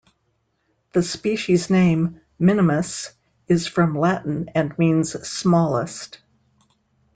The species name " minimus " is from Latin and means "smallest".